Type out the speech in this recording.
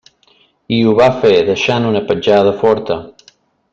I ho va fer deixant una petjada forta.